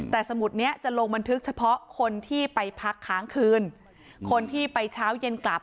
แต่สมุดเนี้ยจะลงบันทึกเฉพาะคนที่ไปพักค้างคืนคนที่ไปเช้าเย็นกลับ